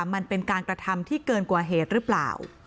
มันเป็นการกระทำที่เกินกว่าเหตุหรือเปล่า